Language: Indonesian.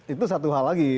itu satu hal lagi